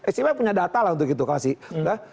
smp punya data lah untuk itu kasih